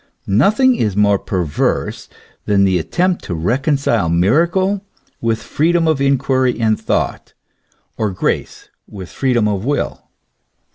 Nothing is more perverse than the attempt to reconcile miracle with freedom of inquiry and thought, or grace with freedom of will.